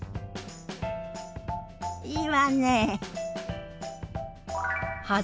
いいわね。